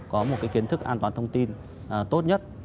có một cái kiến thức an toàn thông tin tốt nhất